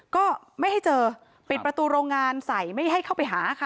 ก็ไม่ให้เจอปิดประตูโรงงานใส่ไม่ให้เข้าไปหาค่ะ